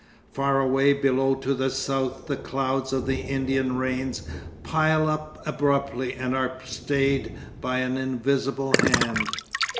Far away below to the south the clouds of the Indian rains pile up abruptly and are stayed by an invisible hand.